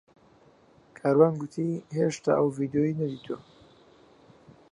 کاروان گوتی هێشتا ئەو ڤیدیۆیەی نەدیتووە.